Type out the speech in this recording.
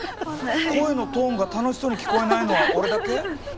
声のトーンが楽しそうに聞こえないのは俺だけ？